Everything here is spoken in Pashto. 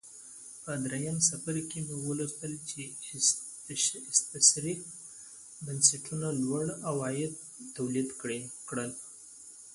په درېیم څپرکي کې مو ولوستل چې استثري بنسټونو لوړ عواید تولید کړل